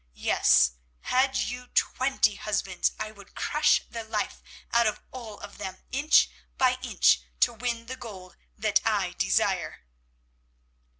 Yes, had you twenty husbands, I would crush the life out of all of them inch by inch to win the gold that I desire."